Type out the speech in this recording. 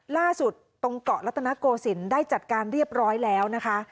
ตรงเกาะรัตนโกศิลป์ได้จัดการเรียบร้อยแล้วนะคะ